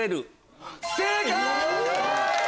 正解！